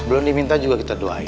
belum diminta juga kita doain